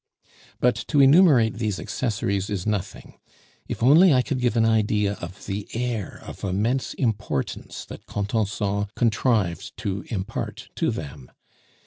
But to enumerate these accessories is nothing; if only I could give an idea of the air of immense importance that Contenson contrived to impart to them!